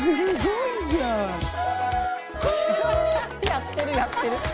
やってるやってる！